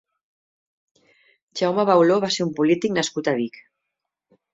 Jaume Beuló va ser un polític nascut a Vic.